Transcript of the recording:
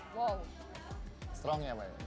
wow strong ya mbak